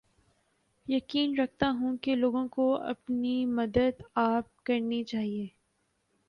یقین رکھتا ہوں کے لوگوں کو اپنی مدد آپ کرنی چاھیے